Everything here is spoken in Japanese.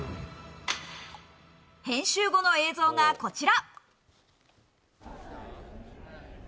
編集後の映像がこちら。